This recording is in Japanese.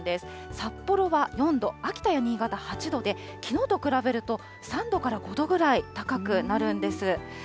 札幌は４度、秋田、新潟は８度で、きのうと比べると３度から５度くらい高くなるんです。